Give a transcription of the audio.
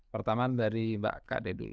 pertama dari mbak kak deddy